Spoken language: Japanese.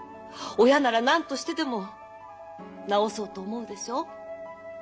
親ならなんとしてでも治そうと思うでしょう？